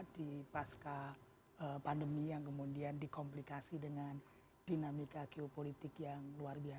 di pasca pandemi yang kemudian dikomplikasi dengan dinamika geopolitik yang luar biasa